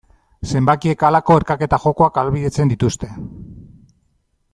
Zenbakiek halako erkaketa jokoak ahalbidetzen dituzte.